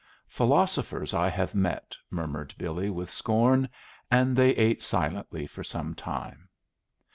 "Philosophers I have met," murmured Billy, with scorn And they ate silently for some time.